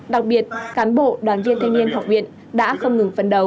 đặc biệt cán bộ đoàn viên thanh niên học viện đã không ngừng phát triển